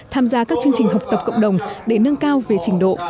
tham gia các chương trình học tập cộng đồng để nâng cao về trình độ